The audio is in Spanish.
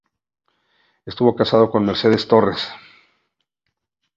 Estuvo casado con Mercedes Torres.